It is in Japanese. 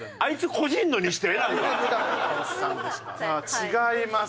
違います。